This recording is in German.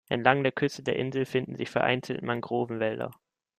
Entlang der Küste der Insel finden sich vereinzelt Mangrovenwälder.